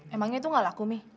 emangnya itu gak laku mi